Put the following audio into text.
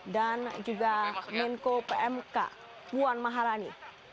dan juga menko pmk muan maharani